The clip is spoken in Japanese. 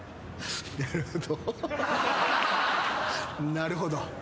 なるほど。